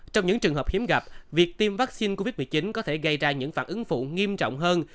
trong những trường hợp hiếm gặp việc tiêm vaccine covid một mươi chín có thể gây ra những phản ứng phụ nghiêm trọng hơn